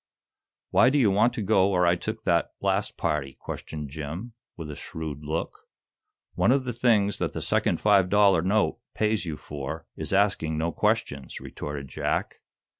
"Why do you want to go where I took that last party?" questioned Jim, with a shrewd look. "One of the things that the second five dollar note pays you for is asking no questions," retorted Jack.